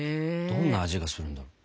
どんな味がするんだろう？